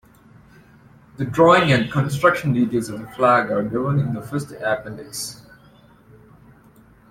The drawing and construction details of the flag are given in the first appendix.